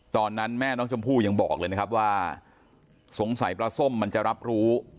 ตอนนั้นแม่น้องชมพู่ยังบอกเลยนะครับว่าสงสัยปลาส้มมันจะรับรู้